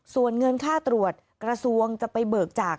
ส่วนเงินค่าตรวจกระทรวงจะไปเบิกจาก